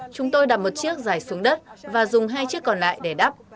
chúng tôi đặt một chiếc dài xuống đất và dùng hai chiếc còn lại để đắp